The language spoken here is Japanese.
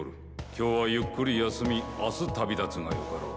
今日はゆっくり休み明日旅立つがよかろう。